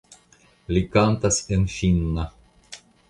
Li kantas en finna.